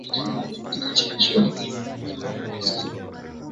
video zinampeleka hadhira kuona uhalisiwa wa kitu kinachotangazwa